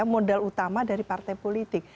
modal utama dari partai politik